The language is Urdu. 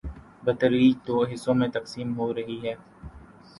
، بتدریج دو حصوں میں تقسیم ہورہی ہی۔